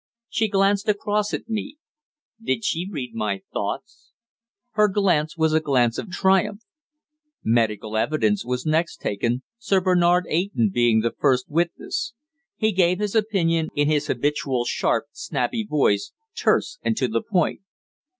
She glanced across at me. Did she read my thoughts? Her glance was a glance of triumph. Medical evidence was next taken, Sir Bernard Eyton being the first witness. He gave his opinion in his habitual sharp, snappy voice, terse and to the point.